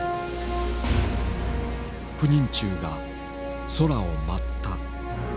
不妊虫が空を舞った。